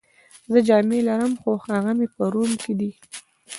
زه جامې لرم، خو هغه مې په روم کي دي.